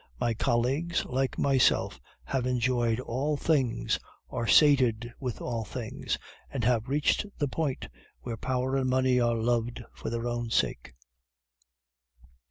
My colleagues, like myself, have enjoyed all things, are sated with all things, and have reached the point when power and money are loved for their own sake.